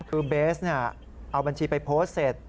คือเบสเอาบัญชีไปโพสต์เสร็จ